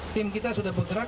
tim kita sudah bergerak